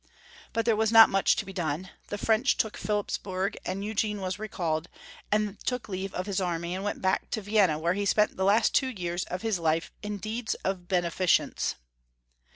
But there was not much to be done, the French took Philipsburg, and Eugene was recalled, and took leave of his army, and went back to Vienna, where he spent the last two years of his life in deeds of beneficence.